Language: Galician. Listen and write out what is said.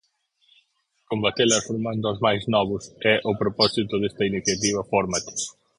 Combatelas formando os máis novos é o propósito desta iniciativa fórmate.